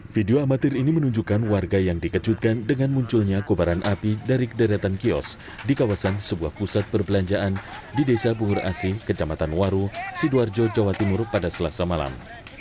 video amatir ini menunjukkan warga yang dikejutkan dengan munculnya kobaran api dari kederetan kios di kawasan sebuah pusat perbelanjaan di desa bungur asi kecamatan waru sidoarjo jawa timur pada selasa malam